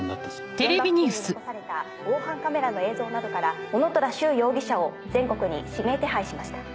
現場付近に残された防犯カメラの映像などから男虎柊容疑者を全国に指名手配しました。